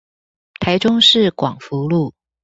台中市廣福路